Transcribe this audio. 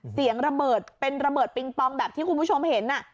เสียงระเบิดเป็นระเบิดปิงปองแบบที่คุณผู้ชมเห็น